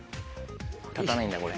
立たないんだこれ。